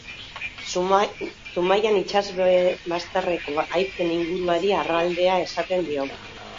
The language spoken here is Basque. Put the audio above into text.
Zumaian itsasbazterreko haitzen inguruari harraldea esaten diogu.